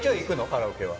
カラオケは。